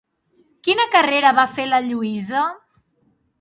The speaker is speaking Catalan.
Quina carrera va fer la Lluïsa?